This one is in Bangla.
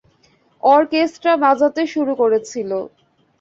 অর্কেস্ট্রা বাজতে শুরু করেছিল।